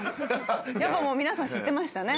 やっぱもう皆さん知ってましたね。